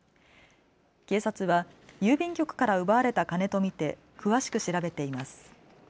警察は郵便局から奪われた金と見て詳しく調べています。